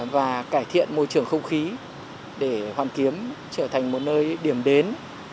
và cải thiện môi trường không khí để hoàn kiếm trở thành một nơi điểm đến